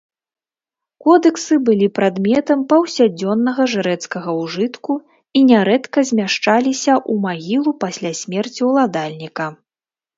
Кодэксы былі прадметам паўсядзённага жрэцкага ўжытку і нярэдка змяшчаліся ў магілу пасля смерці ўладальніка.